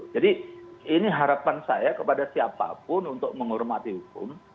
jadi ini harapan saya kepada siapapun untuk menghormati hukum